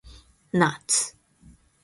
ナッツ